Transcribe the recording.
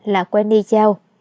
là wendy giao